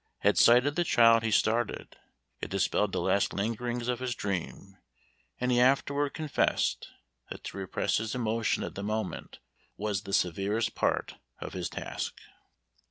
At sight of the child he started; it dispelled the last lingerings of his dream, and he afterward confessed, that to repress his emotion at the moment, was the severest part of his task.